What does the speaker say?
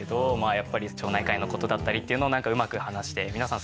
やっぱり町内会の事だったりっていうのをなんかうまく話して皆さん